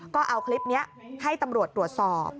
ก็เอาคลิปนี้ให้ตำรวจตรวจสอบ